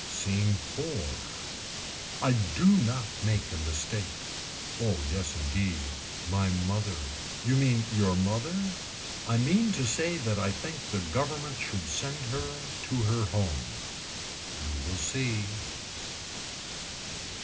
SCENE IV. I do not make a mistake. Oh yes indeed. My mother. You mean your mother. I mean to say that I think the government should send her to her home. We will see.